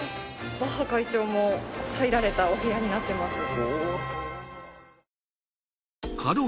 バッハ会長も入られたお部屋になってます。